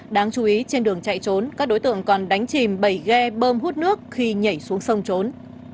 đáng chú ý trên đường chạy trốn các đối tượng còn đánh chìm bảy ghe bơm hút nước khi nhảy xuống sông trốn